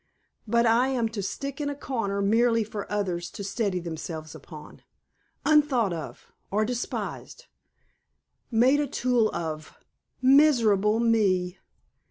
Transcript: But I am to stick in a corner merely for others to steady themselves upon unthought of or despised, made a tool of Miserable me!"